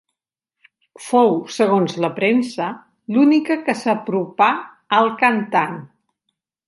Fou, segons la premsa, l'única que s'apropà al cantant.